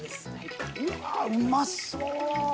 うわうまそう！